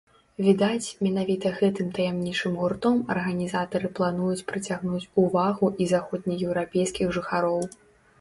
Відаць, менавіта гэтым таямнічым гуртом арганізатары плануюць прыцягнуць увагу і заходнееўрапейскіх жыхароў.